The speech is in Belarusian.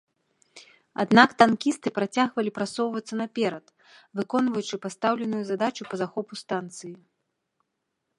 Аднак танкісты працягвалі прасоўвацца наперад, выконваючы пастаўленую задачу па захопу станцыі.